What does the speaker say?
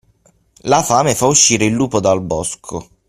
La fame fa uscire il lupo dal bosco.